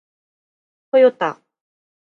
トヨタ